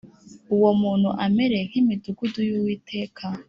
Uwo muntu amere nk imidugudu y’Uwiteka